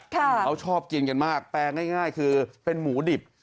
เขาชอบกินกันมากแปลง่ายคือเป็นหมูดิบ